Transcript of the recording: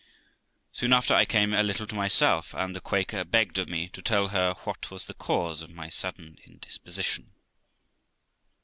Soon after, I came a little to myself, and the Quaker begged of me to tell her what was the cause of my sudden indisposition.